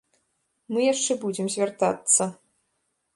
Мы яшчэ будзем звяртацца.